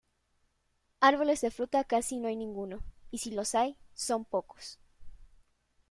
Árboles de fruta casi no hay ninguno, y si los hay son pocos.